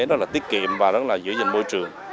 rất là tiết kiệm và giữ dành môi trường